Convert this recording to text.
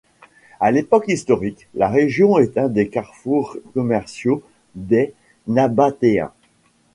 À l'époque historique, la région est un des carrefours commerciaux des Nabatéens.